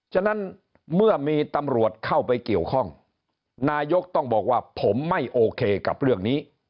ฉะนั้นเมื่อมีตำรวจเข้าไปเกี่ยวข้องนายกต้องบอกว่าผมไม่โอเคกับเรื่องนี้